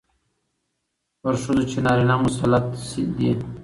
پر ښځو چې نارينه مسلط دي،